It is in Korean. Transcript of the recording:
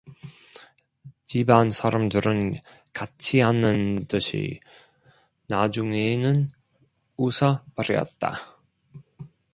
집안 사람들은 같지않은 듯이 나중에는 웃어 버렸다.